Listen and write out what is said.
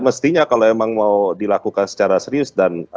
mestinya kalau memang mau dilakukan secara serius dan